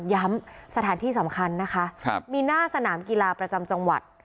สถานที่สำคัญนะคะมีหน้าสนามกีฬาประจำจังหวัด